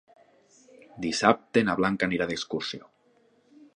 Dissabte na Blanca anirà d'excursió.